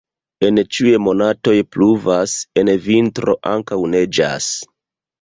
En ĉiuj monatoj pluvas, en vintro ankaŭ neĝas.